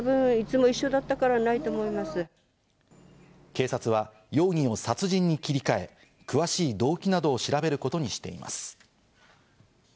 警察は容疑を殺人に切り替え詳しい動機などを調べることにしています。